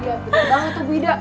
iya beda banget tuh bu ida